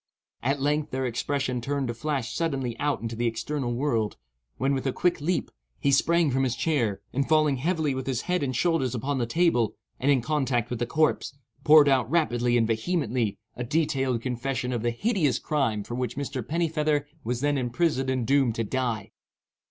At length their expression appeared to flash suddenly out into the external world, when, with a quick leap, he sprang from his chair, and falling heavily with his head and shoulders upon the table, and in contact with the corpse, poured out rapidly and vehemently a detailed confession of the hideous crime for which Mr. Pennifeather was then imprisoned and doomed to die.